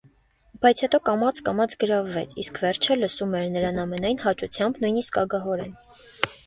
Բայց հետո կամաց-կամաց գրավվեց, իսկ վերջը լսում էր նրան ամենայն հաճությամբ, նույնիսկ ագահորեն: